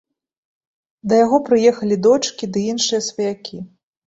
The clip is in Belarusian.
Да яго прыехалі дочкі ды іншыя сваякі.